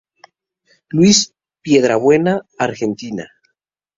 Luis Piedrabuena, Argentina.